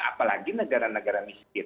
apalagi negara negara miskin